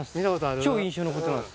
超印象に残っています。